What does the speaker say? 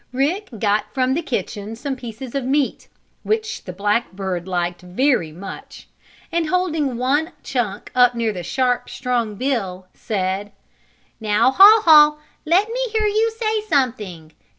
Rick got from the kitchen some pieces of meat, which the black bird liked very much, and, holding one chunk up near the sharp, strong bill, said: "Now, Haw Haw, let me hear you say something!